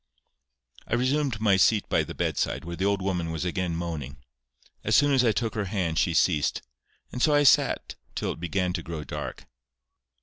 I resumed my seat by the bedside, where the old woman was again moaning. As soon as I took her hand she ceased, and so I sat till it began to grow dark.